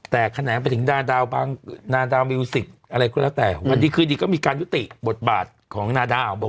แต่แขนงไปถึงดาดาวบางนาดาวมิวสิกอะไรก็แล้วแต่วันดีคืนดีก็มีการยุติบทบาทของนาดาวบอก